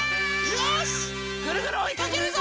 よしぐるぐるおいかけるぞ！